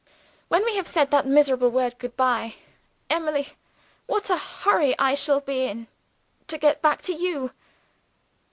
When we have said that miserable word good by oh, Emily, what a hurry I shall be in to get back to you!